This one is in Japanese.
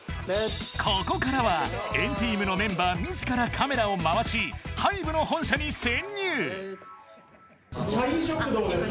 ここからは＆ＴＥＡＭのメンバー自らカメラを回しＨＹＢＥの本社に潜入！